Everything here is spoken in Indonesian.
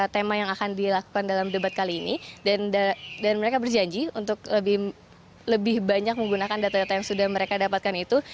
tema yang akan dilakukan dalam debat kali ini dan mereka berjanji untuk lebih banyak menggunakan data data yang sudah mereka dapatkan itu